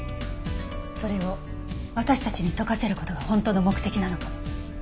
それを私たちに解かせる事が本当の目的なのかも。